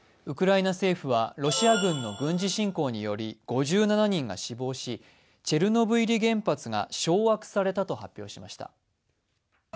ウクライナ政府はロシア軍の軍事侵攻により５７人が死亡しチェルノブイリ原発が掌握されたと発表しました。